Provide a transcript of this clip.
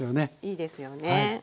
いいですよね。